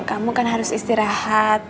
kamu kan harus istirahat